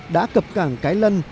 đã cập cảng cái lân